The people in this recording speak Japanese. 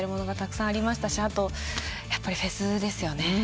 あとやっぱりフェスですよね。